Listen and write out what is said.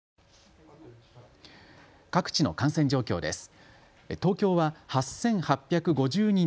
各地の感染状況です。